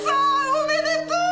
おめでとう！